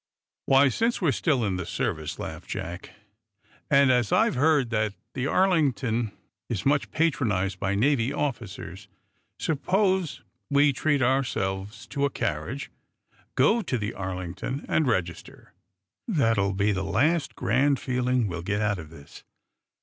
"Why, since we're still in the service," laughed Jack, "and as I've heard that the Arlington is much patronized by Navy officers, suppose we treat ourselves to a carriage, go to the Arlington and register. That will be the last grand feeling we'll get out of this."